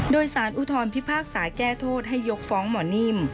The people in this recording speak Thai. โดยสารอุทธรพิพากษาแก้โทษให้ยกฟ้องหมอนิ่ม